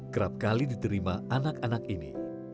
kerap kali diterima anak anak ini